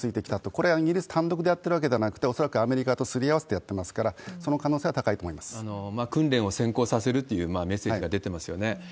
これはイギリス単独でやってるわけではなくて、恐らくアメリカとすり合わせてやってますから、そ訓練を先行させるというメッセージが出てますよね。